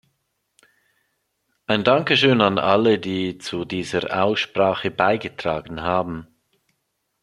Ein Dankeschön an alle, die zu dieser Aussprache beigetragen haben.